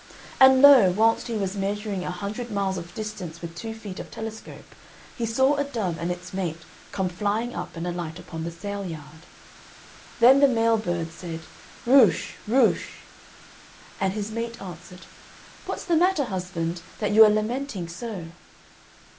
And lo! whilst he was measuring a hundred miles of distance with two feet of telescope, he saw a dove and its mate come flying up and alight upon the sail yard. Then the male bird said, "Rucche, rucche!" And his mate answered, "What's the matter, husband, that you are lamenting so?"